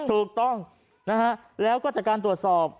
ถูกต้องนะฮะแล้วก็จากการตรวจสอบ